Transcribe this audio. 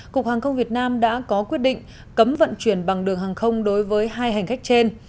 cục hàng không việt nam đã có quyết định cấm vận chuyển bằng đường hàng không đối với hai hành khách trên